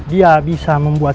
dia bisa membuat